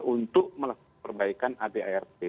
untuk melakukan perbaikan dart